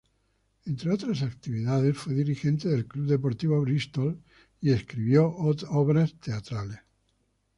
Entre otras actividades, fue dirigente del club deportivo Bristol, y escribió obras teatrales.